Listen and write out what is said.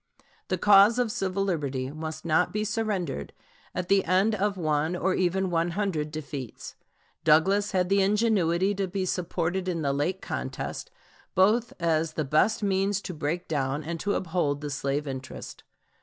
The cause of civil liberty must not be surrendered at the end of one or even one hundred defeats. Douglas had the ingenuity to be supported in the late contest, both as the best means to break down and to uphold the slave interest.